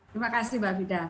terima kasih mbak vida